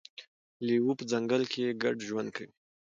لیوه په ځنګل کې ګډ ژوند کوي.